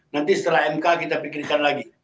nanti setelah mk kita pikirkan lagi